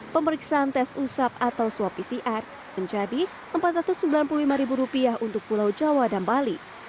pemeriksaan tes usap atau swab pcr menjadi rp empat ratus sembilan puluh lima untuk pulau jawa dan bali